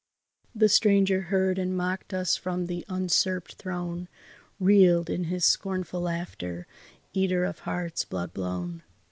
The stranger heard and mocked us from the usurped throne, Reeled in his scornful laughter, eater of hearts, blood blown.